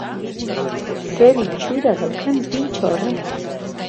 Zer itxura daukan pintxo horrek!